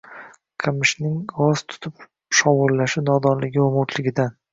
Qamishning g’oz turib shovullashi nodonligi va mo’rtligidan.